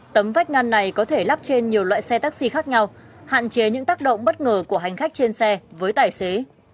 tấm vách ngăn này có thể lắp trên nhiều loại xe taxi khác nhau hạn chế những tác động bất ngờ của hành khách trên xe với tài xế